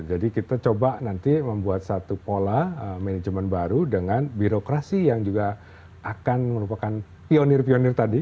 jadi kita coba nanti membuat satu pola management baru dengan birokrasi yang juga akan merupakan pionir pionir tadi